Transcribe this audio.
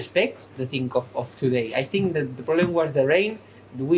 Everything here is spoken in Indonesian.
pembalap ini tidak seperti yang saya harapkan hari ini